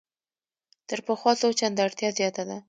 تر پخوا څو چنده اړتیا زیاته ده.